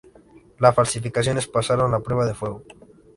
Las falsificaciones pasaron la prueba de fuego.